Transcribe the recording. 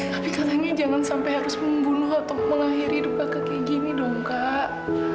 tapi katanya jangan sampai harus membunuh atau mengakhiri hidup kakak kayak gini dong kak